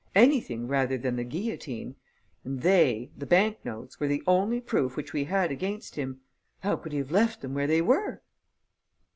Anything rather than the guillotine; and they the bank notes were the only proof which we had against him. How could he have left them where they were?"